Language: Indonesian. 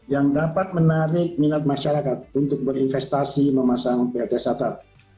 yang dapat menarik minat masyarakat untuk berinvestasi memasang plt startup